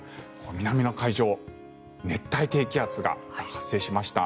南の海上熱帯低気圧が発生しました。